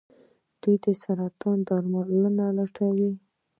دوی د سرطان درملنه لټوي.